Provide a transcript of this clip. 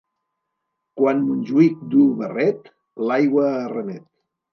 Quan Montjuïc duu barret, l'aigua arremet.